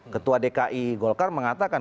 ketua dki golkar mengatakan